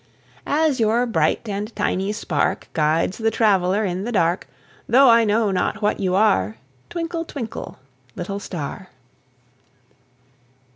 As your bright and tiny spark Guides the traveller in the dark, Though I know not what you are, Twinkle, twinkle, little star!